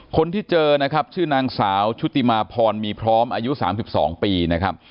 คนที่เจอนะครับชื่อนางสาวชุติมาพรมีพร้อมอายุ๓๒ปีนะครับ